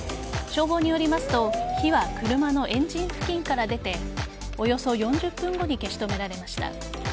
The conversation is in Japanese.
消防によりますと火は車のエンジン付近から出ておよそ４０分後に消し止められました。